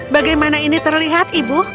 bagaimana ini terlihat ibu